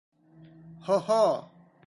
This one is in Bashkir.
Хо-хо!